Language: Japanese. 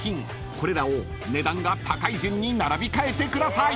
［これらを値段が高い順に並び替えてください］